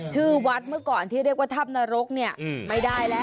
ชื่อวัดเมื่อก่อนที่เรียกว่าถ้ำนรกเนี่ยไม่ได้แล้ว